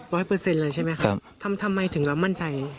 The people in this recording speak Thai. ๑๐๐เลยใช่ไหมครับทำไมถึงละมั่นใจ